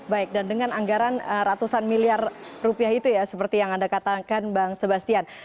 baik dan dengan anggaran ratusan miliar rupiah itu ya seperti yang anda katakan bang sebastian